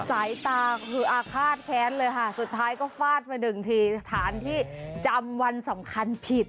สายตาคืออาฆาตแค้นเลยค่ะสุดท้ายก็ฟาดมาหนึ่งทีสถานที่จำวันสำคัญผิด